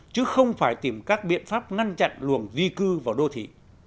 chứ không phải tìm các biện pháp ngăn chặn luồng di cư vào đô thị